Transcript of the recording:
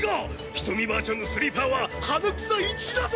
ひとみばあちゃんのスリーパーは花草一だぞ！